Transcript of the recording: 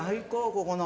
ここの。